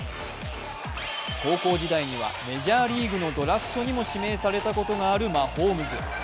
高校時代にはメジャーリーグのドラフトにも指名されたことがあるマホームズ。